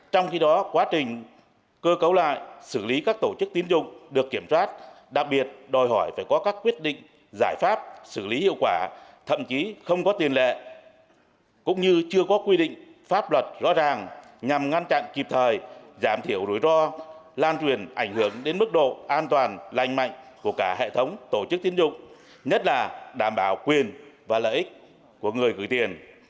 trong khi đó quá trình cơ cấu lại xử lý các tổ chức tín dụng được kiểm soát đặc biệt đòi hỏi phải có các quyết định giải pháp xử lý hiệu quả thậm chí không có tiền lệ cũng như chưa có quy định pháp luật rõ ràng nhằm ngăn chặn kịp thời giảm thiểu rủi ro lan truyền ảnh hưởng đến mức độ an toàn lành mạnh của cả hệ thống tổ chức tín dụng nhất là đảm bảo quyền và lợi ích của người gửi tiền